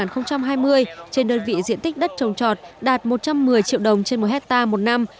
năm hai nghìn hai mươi trên đơn vị diện tích đất trồng trọt đạt một trăm một mươi triệu đồng trên một hectare một năm